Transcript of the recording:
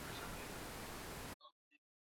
weka vijiko mbili vya chakula